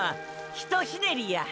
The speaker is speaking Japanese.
ひとひねりや。